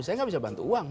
saya tidak bisa bantu uang